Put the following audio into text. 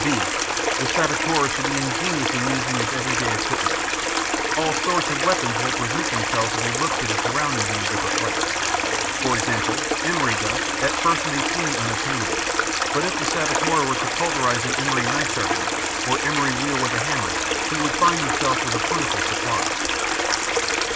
(b) The saboteur should be ingenious in using his every day equipment. All sorts of weapons will present themselves if he looks at his surroundings in a different light. For example, emery dust—a at first may seen unobtainable but if the saboteur were to pulverize an emery knife sharpener or emery wheel with a hammer, he would find himself with a plentiful supply.